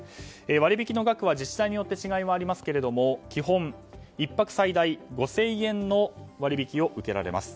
割引の額は自治体によって違いはありますが基本１泊最大５０００円の割引を受けられます。